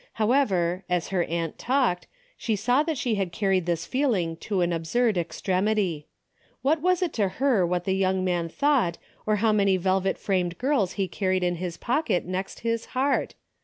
However, as her aunt talked, she saw that she had carried this feeling to an absurd extremity. AVhat was it to her what the young man thought, or how many velvet framed girls he carried in his pocket next his heart